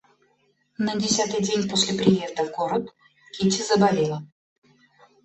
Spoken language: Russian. На десятый день после приезда в город Кити заболела.